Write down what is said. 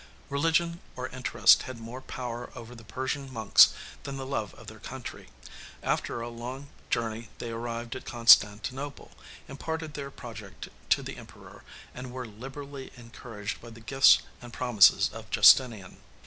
Religion or interest had more power over the Persian monks than the love of their country: after a long journey they arrived at Constantinople, imparted their project to the Emperor, and were liberally encouraged by the gifts and promises of Justinian.